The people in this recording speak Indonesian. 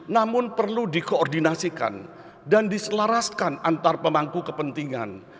namun perlu dikoordinasikan dan diselaraskan antar pemangku kepentingan